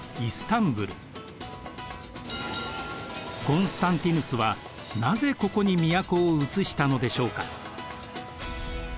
コンスタンティヌスはなぜここに都を移したのでしょうか？